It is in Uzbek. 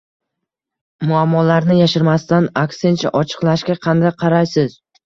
– Muammolarni yashirmasdan, aksincha, ochiqlashga qanday qaraysiz?